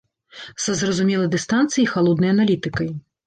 Са зразумелай дыстанцыяй і халоднай аналітыкай.